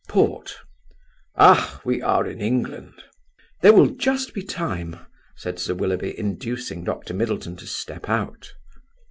"Port." "Ah! We are in England!" "There will just be time," said Sir Willoughby, inducing Dr. Middleton to step out.